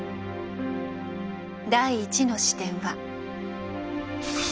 第１の視点は。